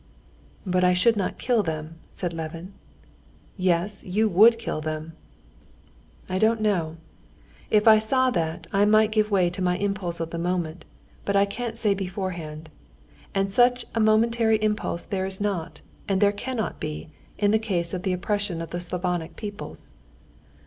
"But I should not kill them," said Levin. "Yes, you would kill them." "I don't know. If I saw that, I might give way to my impulse of the moment, but I can't say beforehand. And such a momentary impulse there is not, and there cannot be, in the case of the oppression of the Slavonic peoples."